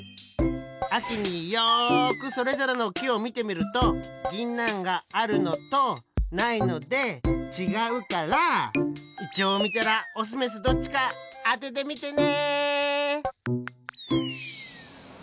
あきによくそれぞれのきをみてみるとぎんなんがあるのとないのでちがうからイチョウをみたらオスメスどっちかあててみてね！